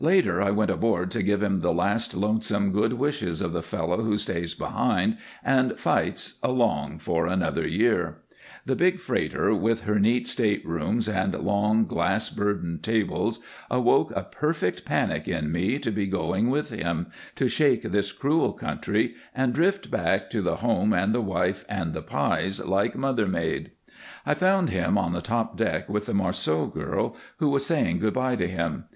Later I went aboard to give him the last lonesome good wishes of the fellow who stays behind and fights along for another year. The big freighter, with her neat staterooms and long, glass burdened tables, awoke a perfect panic in me to be going with him, to shake this cruel country and drift back to the home and the wife and the pies like mother made. I found him on the top deck with the Marceau girl, who was saying good by to him.